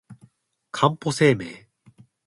かんぽ生命